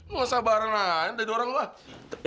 wah sabaran aja dari orang lah